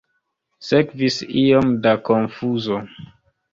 Sekvis iom da konfuzo.